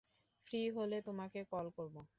Free হলে তোমাকে call করব।